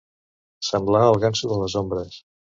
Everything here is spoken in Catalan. Semblar el ganso de les ombres.